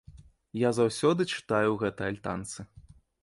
Я заўсёды чытаю ў гэтай альтанцы.